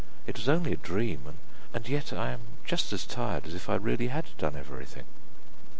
It was only a dream, and yet I am just as tired as if I really had done everything.